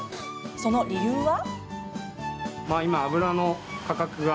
その理由は？